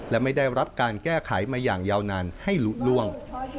และไม่ได้รับการแก้ไขมาอย่างยาวนานให้ลุล่วง